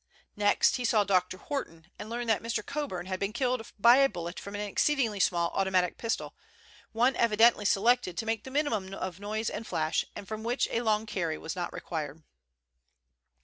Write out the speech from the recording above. Next, he saw Dr. Horton, and learned that Mr. Coburn had been killed by a bullet from an exceedingly small automatic pistol, one evidently selected to make the minimum of noise and flash, and from which a long carry was not required.